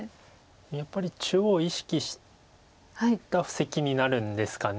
やっぱり中央意識した布石になるんですかね。